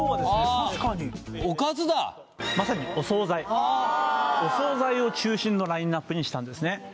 確かにまさにお惣菜お惣菜を中心のラインナップにしたんですね